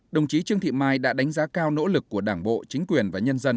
đồng chí trương thị mai đã đánh giá cao nỗ lực của đảng bộ chính quyền và nhân dân